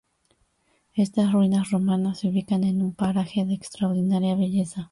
Estas ruinas romanas se ubican en un paraje de extraordinaria belleza.